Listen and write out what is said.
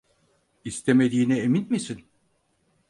İstemediğine emin misin?